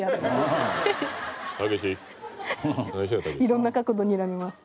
いろんな角度にらみます。